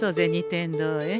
天堂へ。